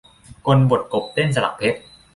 กลบทกบเต้นสลักเพชร